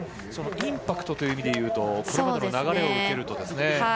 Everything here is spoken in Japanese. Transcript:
インパクトという意味で言うとこれまでの流れを受けるとですね。